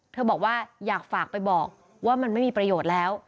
บอกว่าอยากฝากไปบอกว่ามันไม่มีประโยชน์แล้ว